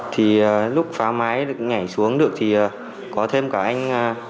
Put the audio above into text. thì lúc phá máy nhảy xuống được thì có thêm cả anh